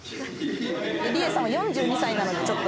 ・りえさんは４２歳なのでちょっと。